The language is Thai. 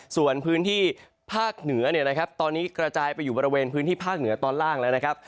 ส่วนพื้นที่ภาคเหนือเนี่ยนะครับตอนนี้กระจายไปอยู่บริเวณพื้นที่ภาคเหนือตอนล่างแล้วนะครับ